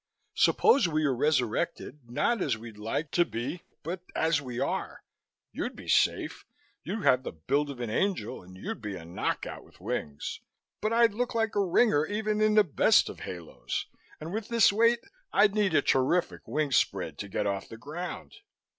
"Suppose we are resurrected not as we'd like to be but as we are. You'd be safe. You have the build of an angel and you'd be a knockout with wings, but I'd look like a ringer even in the best of haloes and with this weight I'd need a terrific wing spread to get off the ground.